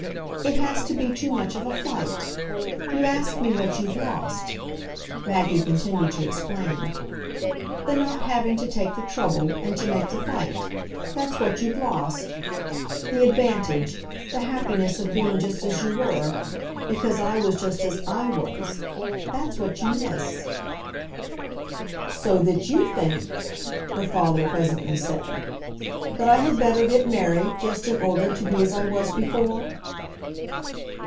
It has to be too much of a fight. You ask me what you've lost," Maggie continued to explain. "The not having to take the trouble and to make the fight that's what you've lost. The advantage, the happiness of being just as you were because I was just as I was that's what you miss." "So that you think," her father presently said, "that I had better get married just in order to be as I was before?"